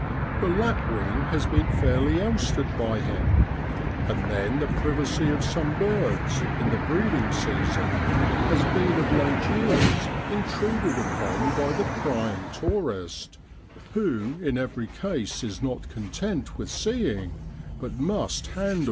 The lapwing has been fairly ousted by him. And then the privacy of some birds, in the breeding season, has been of late years intruded upon by the prying tourist, who in every case is not content with seeing but must handle.